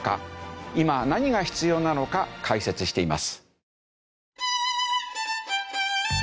今何が必要なのか解説しています。